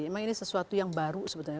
memang ini sesuatu yang baru sebetulnya